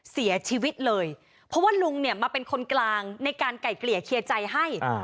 เสียชีวิตเลยเพราะว่าลุงเนี่ยมาเป็นคนกลางในการไก่เกลี่ยเคลียร์ใจให้